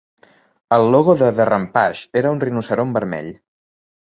El logo de The Rampage era un rinoceront vermell.